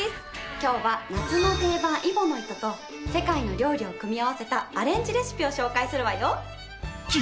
今日は夏の定番揖保乃糸と世界の料理を組み合わせたアレンジレシピを紹介するわよ！